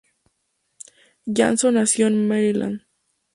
Johnson nació en Maryland.